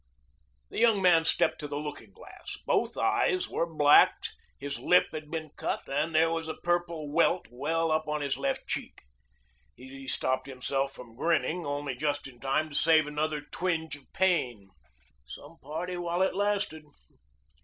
The young man stepped to the looking glass. Both eyes were blacked, his lip had been cut, and there was a purple weal well up on his left cheek. He stopped himself from grinning only just in time to save another twinge of pain. "Some party while it lasted.